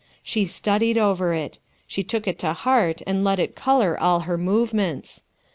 She studied over it; she' took it to heart and let it color all her movements.'